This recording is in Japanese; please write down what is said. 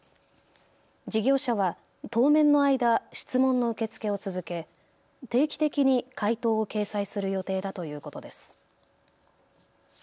事業者は当面の間、質問の受け付けを続け定期的に回答を掲載する予定だということです。